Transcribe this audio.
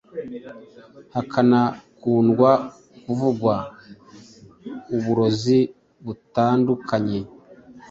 hakanakundwa kuvugwa uburozi butandukanye ,